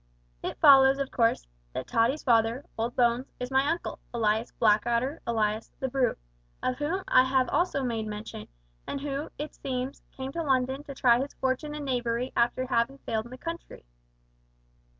It follows, of course, that Tottie's father old Bones is my uncle, alias Blackadder, alias the Brute, of whom I have also made mention, and who, it seems, came to London to try his fortune in knavery after havin' failed in the country.